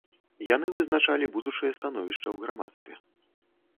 Яны вызначалі будучае становішча ў грамадстве.